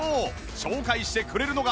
紹介してくれるのが